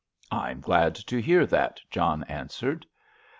"I am glad to hear that," John answered.